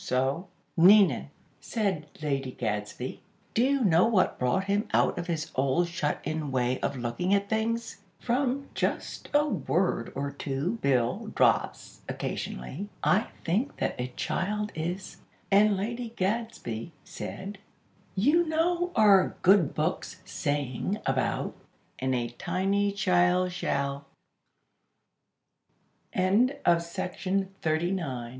So " "Nina," said Lady Gadsby; "do you know what brought him out of his old shut in way of looking at things?" "From just a word or two Bill drops, occasionally, I think that a child is " And Lady Gadsby, said; "You know our Good Book's saying about: 'And a tiny child shall '" XL Six months from tha